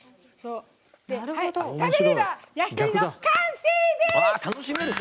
「食べれば焼き鳥」の完成です！